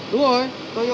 đúng không ạ